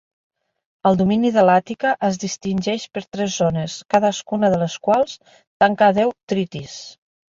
El domini de l'Àtica es distingeix per tres zones, cadascuna de les quals tanca deu "trittis".